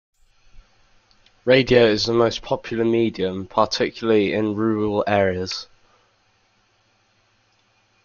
Radio is the most popular medium, particularly in rural areas.